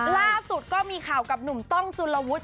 ล่าสุดก็มีข่าวกับหนุ่มต้องจุลวุฒิ